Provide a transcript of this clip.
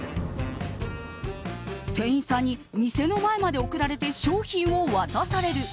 店員さんに店の前まで送られて商品を渡される。